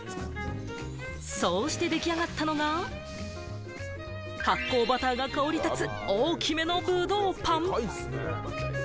そうして出来上がったのが、発酵バターが香り立つ大きめのブドウパン。